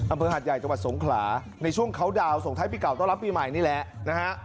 อำเภอหาดใหญ่จังหวัดสงขลาในช่วงเขาดาวนส่งท้ายปีเก่าต้อนรับปีใหม่นี่แหละนะฮะ